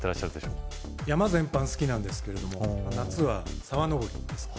山全般好きなんですけれども夏は沢登りですかね